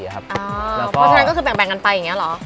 เพราะฉะนั้นก็คือแบ่งกันไปอย่างนี้เหรอ